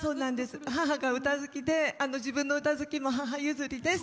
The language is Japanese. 母が歌好きで自分の歌好きも母譲りです。